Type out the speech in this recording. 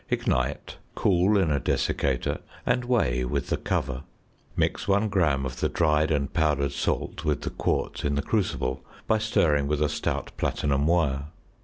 Ignite, cool in a desiccator, and weigh with the cover. Mix 1 gram of the dried and powdered salt with the quartz in the crucible by stirring with a stout platinum wire.